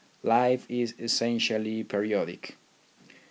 Life is essentially periodic.